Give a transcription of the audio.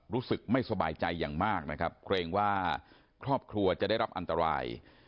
รู้สึกไม่สบายใจอย่างมากนะครับเกรงว่าครอบครัวจะได้รับอันตราย